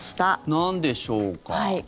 なんでしょうか。